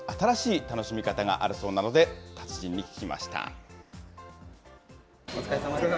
今、新しい楽しみ方があるそうなので、達人に聞きました。